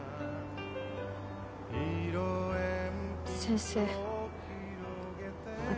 先生私